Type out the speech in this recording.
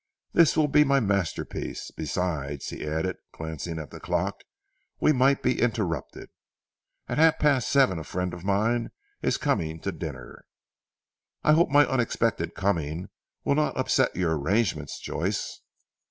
This will be my master piece. Besides," he added glancing at the clock, "we might be interrupted. At half past seven a friend of mine is coming to dinner." "I hope my unexpected coming will not upset your arrangements Joyce?"